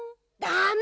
ダメ！